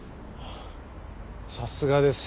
さすがです。